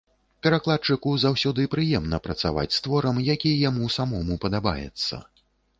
Перакладчыку заўсёды прыемна працаваць з творам, які яму самому падабаецца.